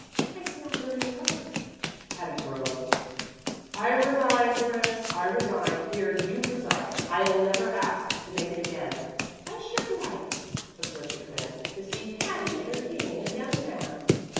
"I smell burning rug." Patty groaned. "I resign, Pris; I resign. Here, you preside. I'll never ask to make it again." "I should like," observed the Twin, "to see Patty entertaining a young man."